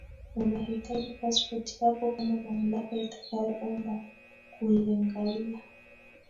Unahitaji pasipoti yako kama mamlaka itakayoomba kuiangalia